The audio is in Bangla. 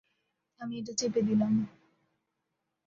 আমি এটা চেপে দিলাম।